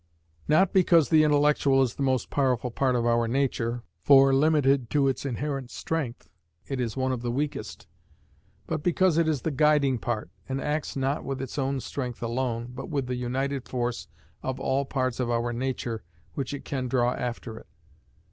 Not because the intellectual is the most powerful part of our nature, for, limited to its inherent strength, it is one of the weakest: but because it is the guiding part, and acts not with its own strength alone, but with the united force of all parts of our nature which it can draw after it.